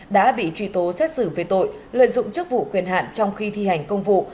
đã bị truy tố xét xử về tội lợi dụng chức vụ quyền hạn trong khi thi hành công vụ